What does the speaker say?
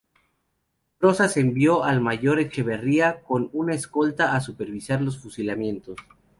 Rosas envió al mayor Echeverría con una escolta a supervisar los fusilamientos.